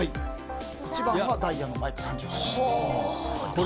１番はダイヤのマイク、３８％。